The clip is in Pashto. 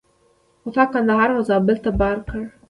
خو تا کندهار او زابل ته بار کړه.